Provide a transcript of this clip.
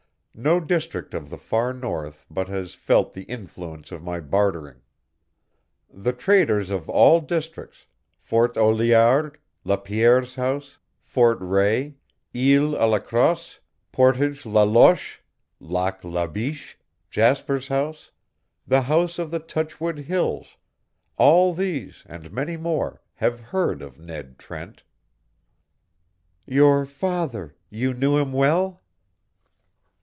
No district of the far North but has felt the influence of my bartering. The traders of all districts Fort au Liard, Lapierre's House, Fort Rae, Ile à la Crosse, Portage la Loche, Lac la Biche, Jasper's House, the House of the Touchwood Hills all these, and many more, have heard of Ned Trent." "Your father you knew him well?"